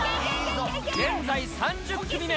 現在、３０組目。